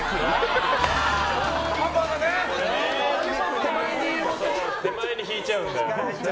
手前に引いちゃうんだよ。